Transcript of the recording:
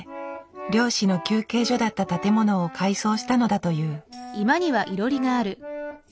漁師の休憩所だった建物を改装したのだという。